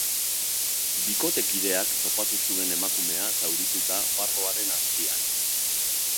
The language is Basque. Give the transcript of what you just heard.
Bikotekideak topatu zuen emakumea, zaurituta, fardoaren azpian.